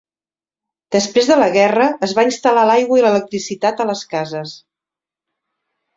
Després de la guerra, es va instal·lar l'aigua i l'electricitat a les cases.